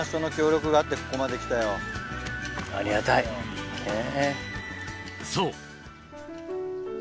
ありがたいねぇ。